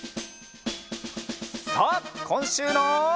さあこんしゅうの。